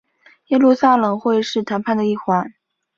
耶路撒冷会是谈判的一环。